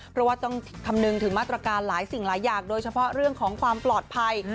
เพราะว่าต้องคำนึงถึงมาตรการหลายสิ่งหลายอย่างโดยเฉพาะเรื่องของความปลอดภัย